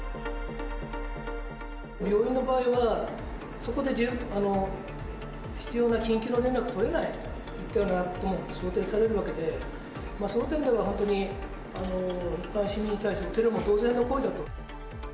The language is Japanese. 病院の場合は、そこで必要な緊急の連絡取れないといったようなことも想定されるわけで、その点では本当に、一般市民に対するテロも同然の行為だと。